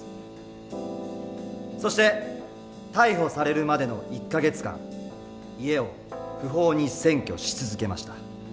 そして逮捕されるまでの１か月間家を不法に占拠し続けました。